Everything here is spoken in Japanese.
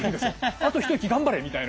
あと一息頑張れみたいな。